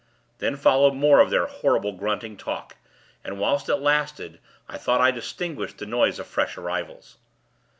Then followed more of their horrible, grunting talk, and, whilst it lasted, I thought I distinguished the noise of fresh arrivals.